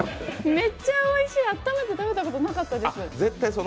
めっちゃおいしい、あっためて食べたことなかったです。